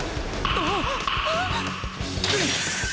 あっ！